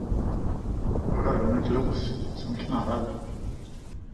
Då hörde hon ett lås, som knarrade.